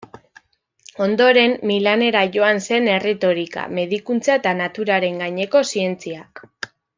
Ondoren, Milanera joan zen erretorika, medikuntza eta naturaren gaineko zientziak.